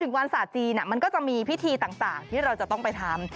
วันศาสตร์จีนมันก็จะมีพิธีต่างที่เราจะต้องไปทำ